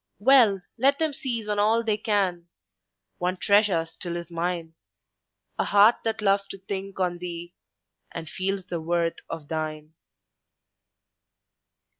Well, let them seize on all they can;— One treasure still is mine,— A heart that loves to think on thee, And feels the worth of thine.